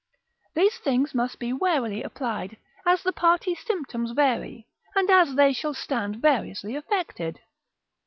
These things must be warily applied, as the parties' symptoms vary, and as they shall stand variously affected.